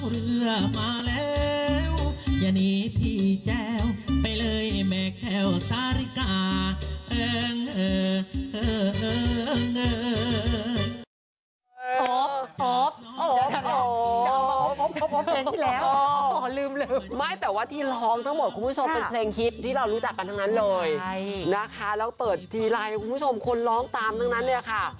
เดี๋ยวก่อนอันนี้งานฟรีไม่ได้ตังค์นะ